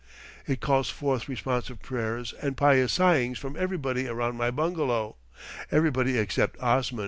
It calls forth responsive prayers and pious sighings from everybody around my bungalow everybody except Osman.